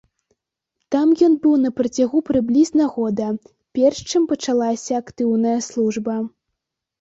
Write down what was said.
Там ён быў на працягу прыблізна года, перш чым пачалася актыўная служба.